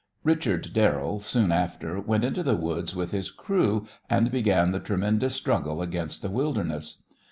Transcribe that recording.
Richard Darrell, soon after, went into the woods with his crew, and began the tremendous struggle against the wilderness.